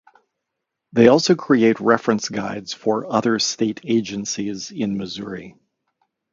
They also create reference guides for other state agencies in Missouri.